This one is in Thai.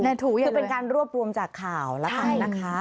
แน่ถูกอย่างไรคือเป็นการรวบรวมจากข่าวละกันนะคะ